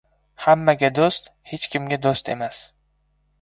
• Hammaga do‘st ― hech kimga do‘st emas.